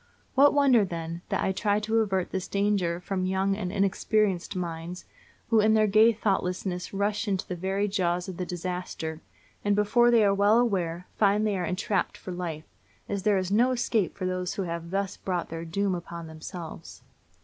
What wonder, then, that I try to avert this danger from young and inexperienced minds who in their gay thoughtlessness rush into the very jaws of the disaster, and before they are well aware find they are entrapped for life, as there is no escape for those who have thus brought their doom upon themselves.